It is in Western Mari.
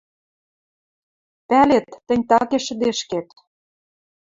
— Пӓлет, тӹнь такеш шӹдешкет...